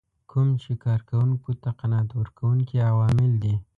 کوم چې کار کوونکو ته قناعت ورکوونکي عوامل دي.